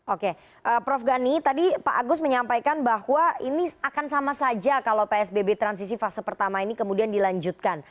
oke prof gani tadi pak agus menyampaikan bahwa ini akan sama saja kalau psbb transisi fase pertama ini kemudian dilanjutkan